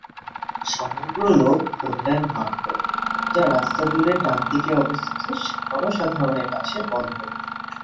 সমগ্র লোক কল্যাণ মার্গ, যা রাস্তা জুড়ে ডানদিকে অবস্থিত, জনসাধারণের কাছে বন্ধ।